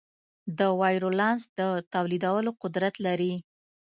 د وایرولانس د تولیدولو قدرت لري.